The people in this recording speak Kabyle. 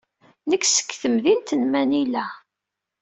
Nekk seg temdint n Manila.